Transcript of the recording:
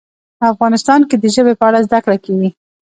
افغانستان کې د ژبې په اړه زده کړه کېږي.